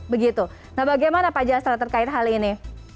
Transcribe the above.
bagaimana pak jasra terkait hal ini